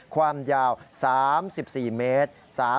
ความยาว๓๔เมตร